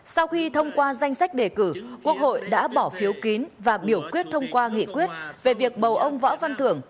sau khi thông qua danh sách đề cử quốc hội đã bỏ phiếu kín và biểu quyết thông qua nghị quyết về việc bầu ông võ văn thưởng